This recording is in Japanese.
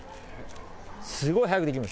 すごい早くできます。